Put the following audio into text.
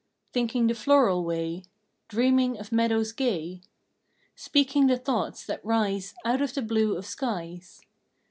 Thinking the floral way. Dreaming of meadows gay. Speaking the thoughts that rise Out of the blue of skies.